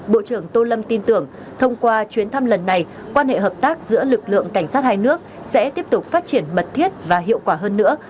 bộ trưởng tô lâm tin tưởng thông qua chuyến thăm lần này quan hệ hợp tác giữa lực lượng cảnh sát hai nước sẽ tiếp tục phát triển mật thiết và hiệu quả hơn nữa